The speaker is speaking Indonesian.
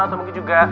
atau mungkin juga